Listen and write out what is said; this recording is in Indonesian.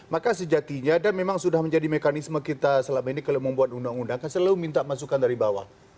maka sejatinya dan memang sudah menjadi mekanisme kita selama ini kalau membuat undang undang kan selalu minta masukan dari bawah